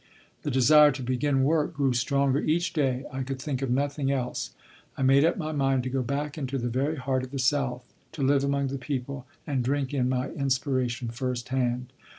The desire to begin work grew stronger each day. I could think of nothing else. I made up my mind to go back into the very heart of the South, to live among the people, and drink in my inspiration firsthand.